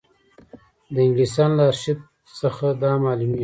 د انګلیسیانو له ارشیف څخه دا معلومېږي.